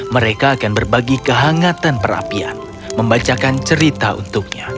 mereka akan berbagi kehangatan perapian membacakan cerita untuknya